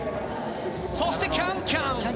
そして、キャンキャン。